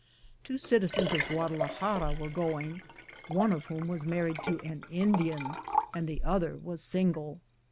Two citizens of Guadalajara were going, one of whom was married to an Indian, and the other was single.